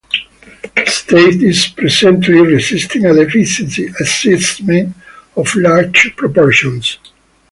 The estate is presently resisting a deficiency assessment of large proportions.